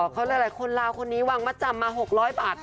เขาหลายคนลาวคนนี้วางมัดจำมา๖๐๐บาท